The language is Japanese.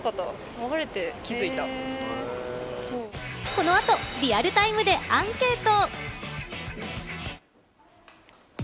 この後、リアルタイムでアンケート。